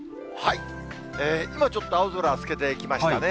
今ちょっと、青空透けてきましたね。